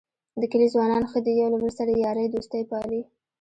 د کلي ځوانان ښه دي یو له بل سره یارۍ دوستۍ پالي.